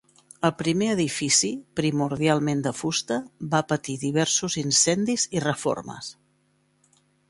El primer edifici, primordialment de fusta, va patir diversos incendis i reformes.